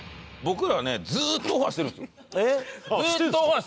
ずっとオファーしてるんですよ。